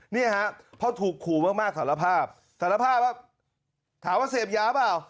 นี่ฮะเพราะถูกขู่มากสารภาพสารภาพว่าถามว่าเสพยาเปล่า